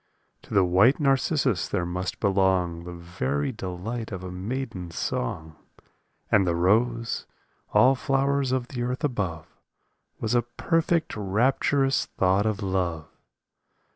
To the white narcissus there must belong The very delight of a maiden's song. And the rose, all flowers of the earth above, Was a perfect, rapturous thought of love.